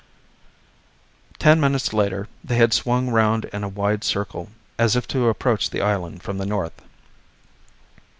Ten minutes later they had swung round in a wide circle as if to approach the island from the north.